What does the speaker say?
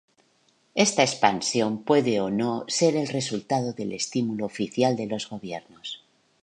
Esta expansión puede o no ser el resultado del estímulo oficial de los gobiernos.